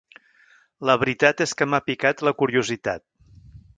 La veritat és que m'ha picat la curiositat.